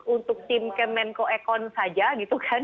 untuk tim kemenko ekon saja gitu kan